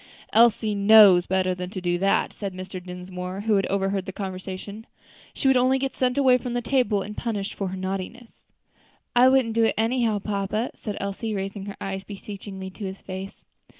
"Elsie knows better than to do that," said Mr. Dinsmore, who had overheard the conversation; "she would only get sent away from the table and punished for her naughtiness." "I wouldn't do it anyhow, papa," said Elsie, raising her eyes beseechingly to his face.